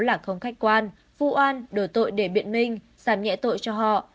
lạc không khách quan vụ oan đổ tội để biện minh giảm nhẹ tội cho họ